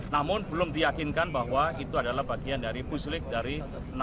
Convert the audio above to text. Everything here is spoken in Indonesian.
namun belum diyakinkan bahwa itu adalah bagian dari puslik dari enam ratus sepuluh